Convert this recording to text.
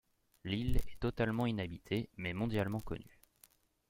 L'île est totalement inhabitée mais mondialement connue.